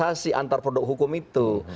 ada sinkronisasi antar produk hukum itu